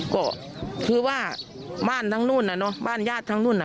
ก็คือว่าบ้านทั้งนู่นน่ะเนอะบ้านญาติทั้งนู่นน่ะ